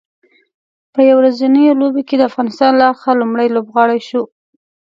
په یو ورځنیو لوبو کې د افغانستان له اړخه لومړی لوبغاړی شو